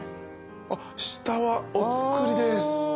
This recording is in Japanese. あっ下はお造りです。